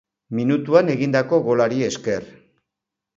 Minutuan egindako golari esker.